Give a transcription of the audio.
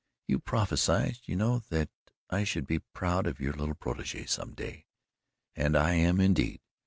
"You prophesied, you know, that I should be proud of your little protege some day, and I am indeed.